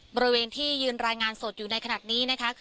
บริเวณที่ยืนรายงานสดอยู่ในขณะนี้นะคะ